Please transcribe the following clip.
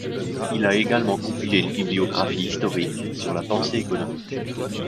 Il a également compilé une bibliographie historique sur la pensée économique.